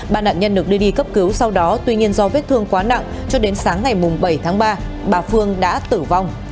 ba nạn nhân được đưa đi cấp cứu sau đó tuy nhiên do vết thương quá nặng cho đến sáng ngày bảy tháng ba bà phương đã tử vong